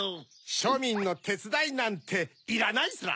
しょみんのてつだいなんていらないヅラ。